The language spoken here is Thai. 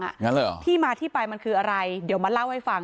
อย่างนั้นเหรอที่มาที่ไปมันคืออะไรเดี๋ยวมาเล่าให้ฟัง